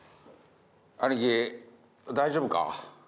兄貴大丈夫か？